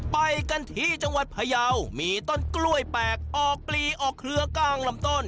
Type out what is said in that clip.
ไปกันที่จังหวัดพยาวมีต้นกล้วยแปลกออกปลีออกเครือกลางลำต้น